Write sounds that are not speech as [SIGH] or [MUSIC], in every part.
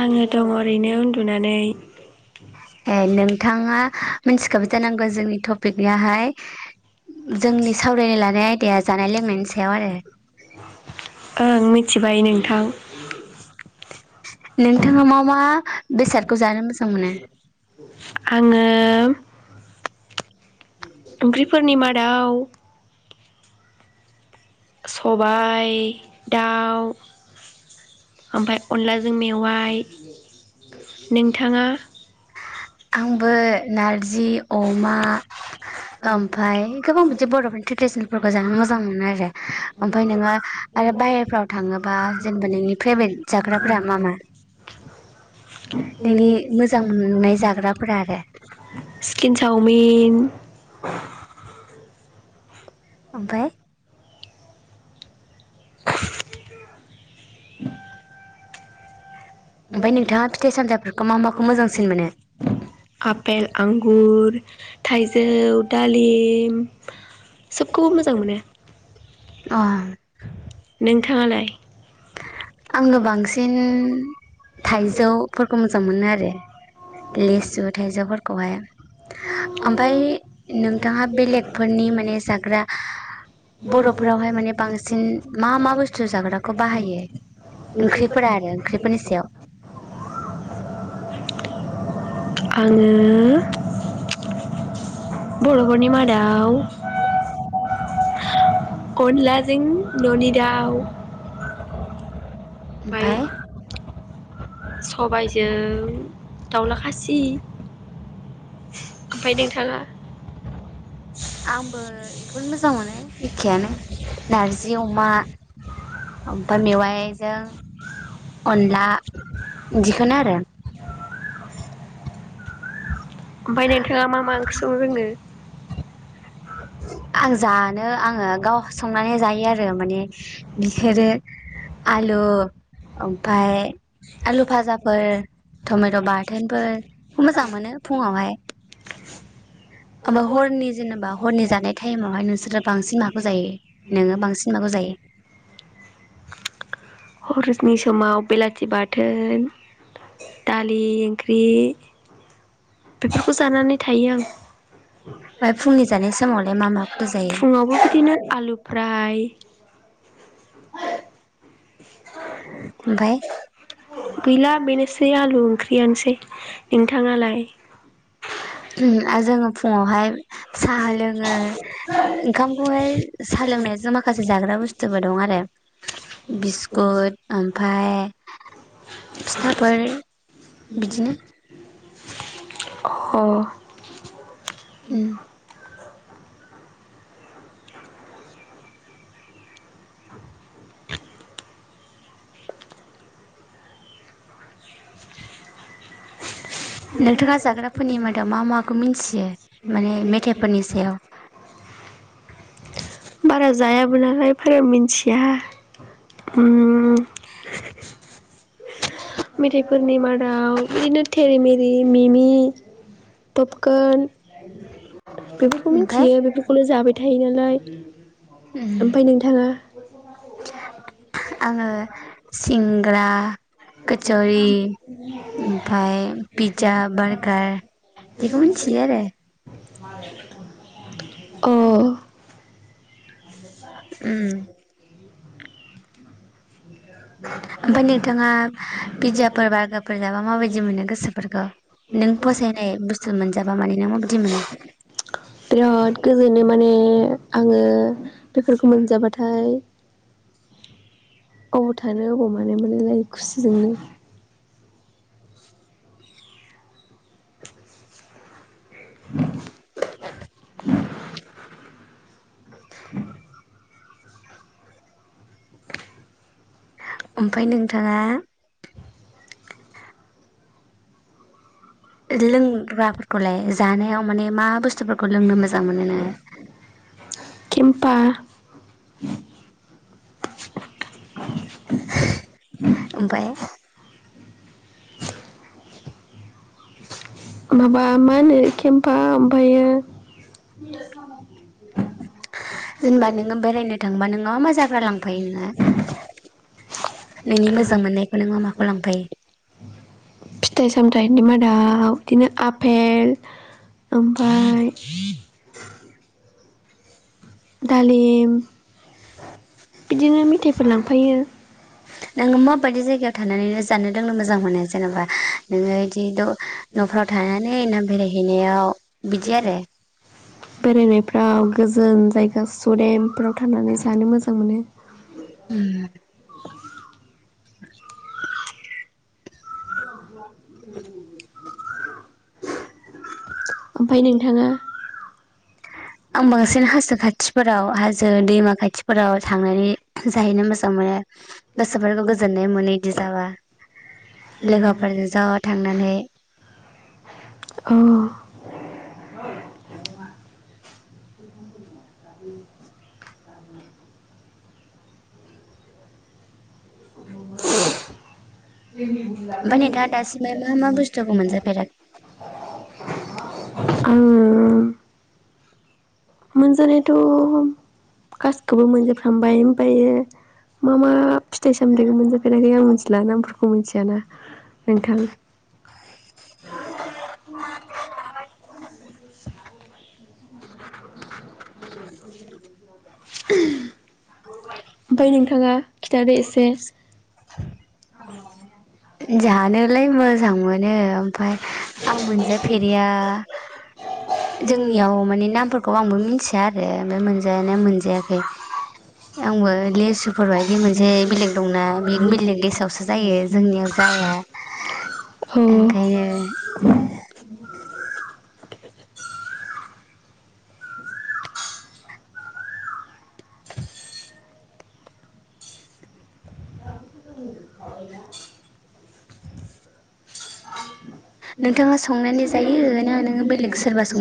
आङो दङ ओरैनो। फुनानै। ए नोंथाङा मिथिखाबाय जानांगौ जोंनि टपिकआहाय। ओं मिथिबाय। आय नोंथां। नोंथाङा मा मा बेसादखौ जानो मोजां मोनो। [INAUDIBLE] ओंख्रिफोरनि मादाव। सबाय दाउ ओमफ्राय अनलाजों मेवाइ [UNINTELLIGIBLE] नोंथाङा आंबो नारजि अमा ओमफफ्राय गोबां बिदि बर'फोरनि ट्रेडिसनेलफोरखौ जानो मोजां मोनो आरो ओमफ्राय नोङो आरो बाहेरफ्राव थाङोबा जेनेबा नोंनि फेभरेट जाग्राफोरा मा मा नोंनि मोजां मोननाय जा चिकेन चावमिन [INAUDIBLE] ओमफ्राय [INAUDIBLE] आपेल, आंगुर, थाइजौ, दालिम ओ सोबखौबो मोजां मोनो। अ नोंथाङालाय? आङो बांसिन थाइजौफोरखौ मोजां मोनो आरो लेसु थाइजौफोरखौहाय ओमफाय नोंथाङा बेलेगफोरनि माने जाग्रा बर'फोरावहाय माने बांसिन मा मा बुस्थु जाग्राखौ बाहायो? ओंख्रि [UNINTELLIGIBLE] आङो बर'फोरनि मादाव अनलाजों न'नि दाउ। ओमफाय सबायजों दाउला खासि [INAUDIBLE] ओमफ्राय नोंथाङा आंबो जोबोद मोजां मोनो एखेयानो नारजि अमा ओमफ्राय मेवाइजों। अनला इदिखोनो आरो। ओमफ्राय नोंथाङा मा मा ओंख्रि संनो रोङो? आं जानो आङो गाव संनानै जायो आरो माने बिफोरो आलु ओमफ्राय आलु फाजाफोर टमेट बाथोनफोर मोजां मोनो फुङावहाय ओमफाय हरनि जेनेबा हरनि जानाय टाइमावहाय नोंसोरो बांसिन माखौ जायो नोङो बांसिन माखौ जायो? हरनि समाव बेलाय बाथोन दालि ओंख्रि, बेफोरखौ जानानै थायो आं फुङावबो बिदिनो आलु, फ्राय, [INAUDIBLE] गैला बेनोसै आलु ओंख्रि बेयानसै नोंथाङालाय आरो जोङो फुङावहाय साहा लोङो ओंखामखौहाय साहा लोंनायजों माखासे जाग्रा बुस्थुबो दं आरो बिस्कुट ओमफाय फिथाफोर बिदिनो, [INAUDIBLE] अ [INAUDIBLE] [INAUDIBLE] [UNINTELLIGIBLE] बारा जायाबो नालाय फोर मिथिया उम मेथाइफोरनि मादाव बिदिनो थेरि मेरि मिमि, मि पपकन बेफोरखौ मिथियो बेफोरखौनो जाबाय था थायो नालाय, ओमफाय नोंथांङा आङो सिंग्रा, कचरि ओमफाय पिज्जा बारगार बेखौ मिथियो आरो [UNINTELLIGIBLE] [UNINTELLIGIBLE] उम ओमफाय नोंथांङा पिज्जाफोर बारगारफोर जाबा माबायदि मोनो गोसोफोरखौ नों फसायनाय बुस्थु मोनजाबा माने नों माबायदि मोनो? आङो बेफोरखौ मोनजाबाथाय, अबाव थानो अबाव मानो मोनलायलायो, खुसिजोंनो, ओमफाय नोंथांङा लोंग्राफोरखौलाय जानायाव माने मा बुस्थुफोरखौ लोंनो मोजां मोनो नोंङो केम्पा [UNINTELLIGIBLE] ओमफाय माबा मा होनो केम्पा फायो फिथाइ सामथाइनि मादाव इदिनो आपेल ओमफाय दालिम बिदिनो मिथायफोर लांफायो बेरायनायफ्राव गोज जान जाय जान सुदेमफ्राव थांनानै जा जानो मोज जां मोनो उम [INAUDIBLE] [INAUDIBLE] ओमफाय नोंथाङा आं बांसिन हाजो खाथिफोराव हाजो दैमा खाथिफोराव थांनानै जाहैनो मोजां मोनो गोसोफोरखौ गोजोननाय मोनो इदि जाबा लोगोफोरजों ज थांनानै औ [INAUDIBLE] आं मोनजानायाथ गाससिखौबो मोनजोबफ्रामबाय ओमफ्रायो मा मा फिथाइ सामथायखौ मोनजाफेराखै आं मिथिला नामफोरखौ मोनथि जाना नोंथां [INAUDIBLE] [INAUDIBLE] [INAUDIBLE] ओमफ्राय नोंथाङा खिथादो एसे [UNINTELLIGIBLE] जानोलाय मोजां मोनो ओमफाय आं मोनजाफेरैया जोंनियाव माने नामफोरखौ आंबो मिथिया आरो ओमफाय मोनजानाया मोन जायाखै आंबो लेसुफोर बायदि मोनसे बेलेग दंना बे बेलेग देसावसो जायो जोंनियाव जाया ओंखायनो [INAUDIBLE]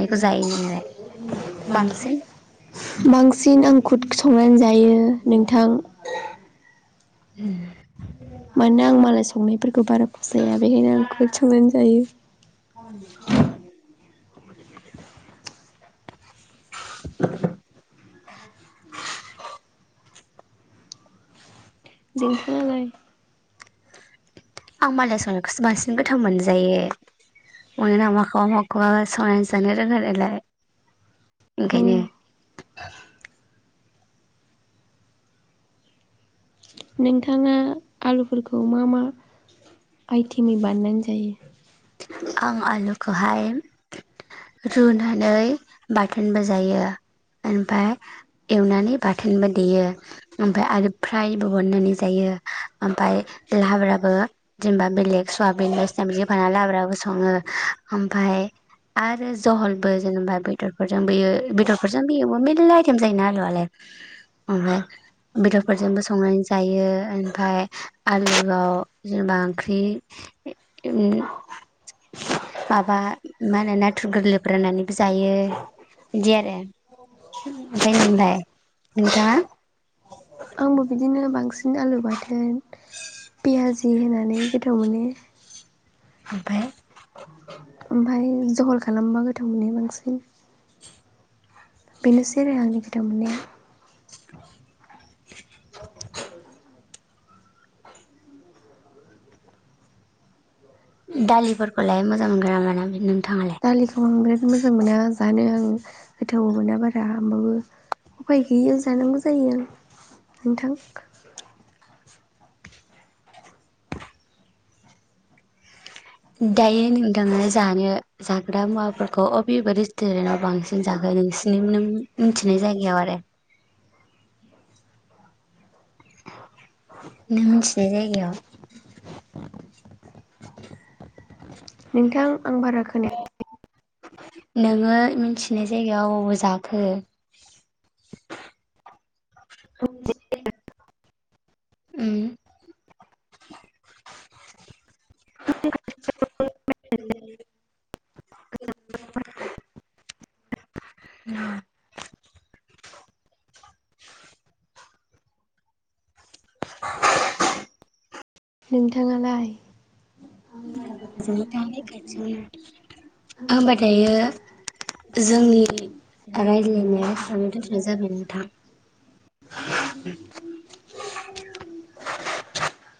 [UNINTELLIGIBLE] बांसिन ओंखुद संना जायो नोंथां उम मानो आं मालाय संनायफोरखौ बारा फसाया बेखायनो आं खुद संनानै जायो [INAUDIBLE] [INAUDIBLE] नोंथाङालाय? आं मालाय संनायखौसो बांसिन गोथाव मोनजायो मानोना माखौबा माखौबा संनानै जानो रोङो नालाय ओंखायनो नोंथाङा आलु फोरखौ मा मा आइटेमै बानायनानै जायो? आं आलुखौहाय रुनानै बाथोनबो जायो, ओमफाय एवनानै बाथोनबो देयो, ओमफाय आरो फ्रायबो बनायनानै जायो, ओमफाय लाब्राबो जेनेबा बेलेग सवाबिन बायदिसिना बिदि होफानानानै लाब्राबो स ओमफाय आरो जहलबो जेनेबा बेदरफोर जोंबो ए बेदरफोरजोंबो एवो मेरला आइटेम जायोना आलुवालाय ओमफाय बेदरफोरजोंबो संनानै जायो ओमफाय आलुआव जेनेबा ओंख्रि माबा मा होनो नाथुर गोरलैफोर होनानैबो जायो इदि आरो ओमफाय नोंलाय नोंथाङा? आंबो बिदिनो बांसिन बिदिनो आलु बाथोन पियाजि होनानै गोथाव मोनो ओमफाय ओमफाय जहल खालामबा गोथाव मोनो बांसिन बिनोसै आरो आंनि गो थाव मोननाया। दालिखौ आं बिराद मोजां मोना जानो आं [INAUDIBLE] गोथावाव मोना बारा। होमबो उफाय गैयो जानांगौ जायो। नोंथां। दायो नोंथां जानो जाग्रा मुवाफोरखौ अबेबा रेस्टुरेन्टाव बांसिन जाखो नोंसिनि नों मिथिनाय जायगायाव आरो नों मिथिनाय जायगायाव? [INAUDIBLE] नोंथां आं भारा खोनाया नोङो मिथिनाय जायगायाव अबाव जाखो? [INAUDIBLE] उम [UNINTELLIGIBLE] [INAUDIBLE] नोंथाङालाय? जोंनि थानाय खाथिनि होमबा दायो जोंनि रायज्लायनाया साननो थाखाय जाबाय नोंथां